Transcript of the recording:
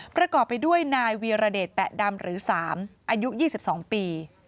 ประกอบไปด้วยนายวีรเดชแปะดำหรือ๓อายุ๒๒ปี